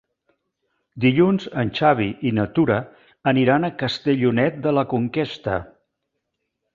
Dilluns en Xavi i na Tura aniran a Castellonet de la Conquesta.